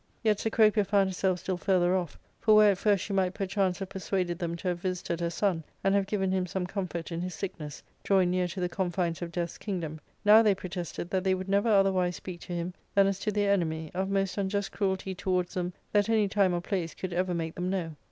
Yet Cecropia found herself still further off ; for where at first she might perchance have per suaded them to have visited her son and have given him some comfort in his sickness, drawing near to the confines of death's kingdom, now they protested that they would never otherwise speak to him than as to their enemy, of most unjust cruelty towards them that any time or place could ever make them know.